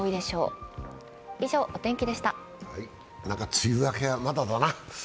梅雨明けはまだだな。